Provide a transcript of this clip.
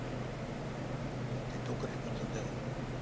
一体どっから引っ張ったんだよ？